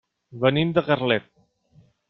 Venim de Carlet.